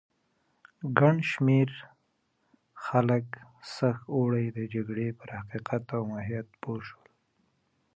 ګڼ شمېر خلک سږ اوړی د جګړې پر حقیقت او ماهیت پوه شول.